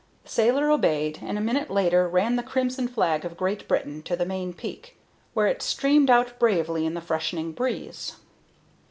The sailor obeyed, and a minute later ran the crimson flag of Great Britain to the main peak, where it streamed out bravely in the freshening breeze.